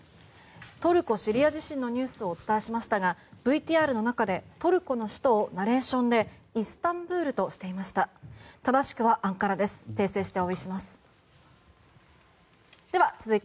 トルコ・シリア地震のニュースをお伝えしましたがＶＴＲの中でトルコの首都をナレーションでイスタンブールとしていました。